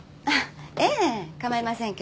ええ構いませんけど。